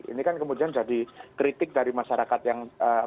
ini kan kemudian jadi kritik dari masyarakat yang